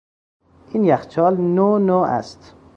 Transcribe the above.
این یخچال نو نو است.